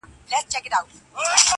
ماسومان حيران ولاړ وي چوپ تل,